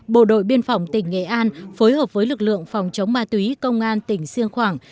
bộ đội biên phòng tỉnh nghệ an phối hợp với lực lượng phòng chống ma túy công an tỉnh siêng khoảng